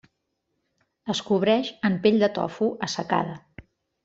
Es cobreix en pell de tofu assecada.